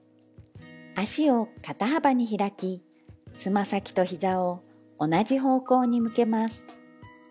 「足を肩幅に開きつま先とひざを同じ方向に向けます」